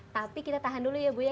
tapi kita tahan dulu ya buya